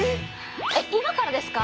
えっ今からですか！？